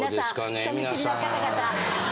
人見知りの方々。